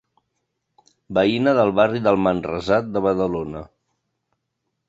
Veïna del barri del Manresà de Badalona.